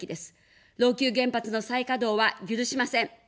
老朽原発の再稼働は許しません。